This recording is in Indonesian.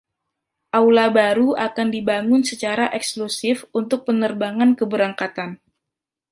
Aula baru akan dibangun secara eksklusif untuk penerbangan keberangkatan.